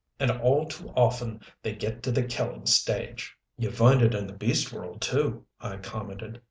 And all too often they get to the killing stage." "You find it in the beast world, too," I commented.